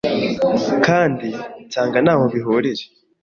kandi nsanga ntaho bihuriye